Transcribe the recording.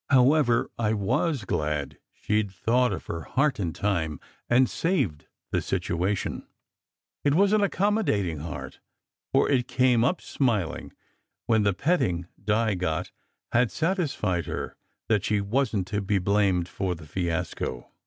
However, I was glad she d thought of her heart in time, and saved the situation. It was an accommodating heart, for it came up smiling, when the petting Di got had satisfied her that she wasn t to be blamed for the fiasco.